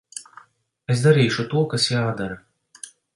Es darīšu to, kas jādara.